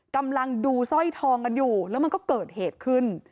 กำลังดูสร้อยทองกันอยู่แล้วมันก็เกิดเหตุขึ้น